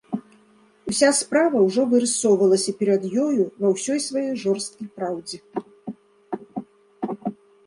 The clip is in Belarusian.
Уся справа ўжо вырысоўвалася перад ёю ва ўсёй сваёй жорсткай праўдзе.